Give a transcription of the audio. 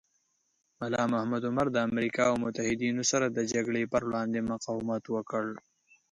ملا محمد عمر د امریکا او متحدینو سره د جګړې پر وړاندې مقاومت وکړ.